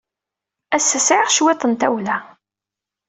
Ass-a, sɛiɣ cwiṭ n tawla.